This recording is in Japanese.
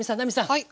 はい。